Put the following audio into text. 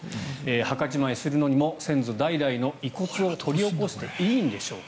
墓じまいするのにも先祖代々の遺骨を掘り起こしていいんでしょうか。